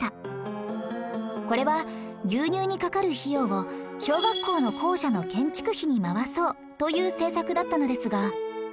これは牛乳にかかる費用を小学校の校舎の建築費に回そうという政策だったのですが